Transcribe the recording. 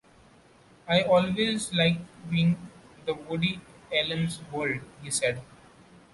"I always like being in Woody Allen's world," he said.